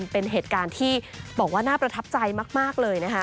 เป็นเหตุการณ์ที่บอกว่าน่าประทับใจมากเลยนะคะ